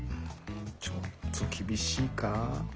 ちょっと厳しいか？